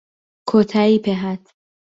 کۆتایی پێ هات